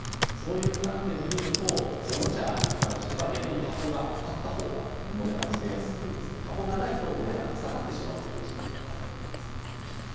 そういう観点で見るとおもちゃに関しては逆に箱があったほうがお値段が付きやすく箱がないとお値段が下がってしまうということがあります。